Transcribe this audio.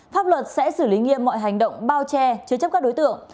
pháp luật sẽ xử lý nghiêm mọi hành động bao che chứa chấp các đối tượng